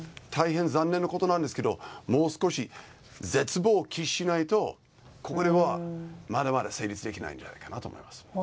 大変残念なことなんですけどもう少し絶望を喫しないとここではまだまだ成立できないんじゃないかなと思います。